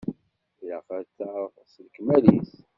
Ilaq ad terɣ s lekmal-is.